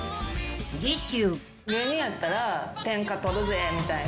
［次週］